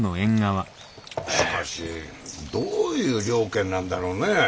しかしどういう了見なんだろうね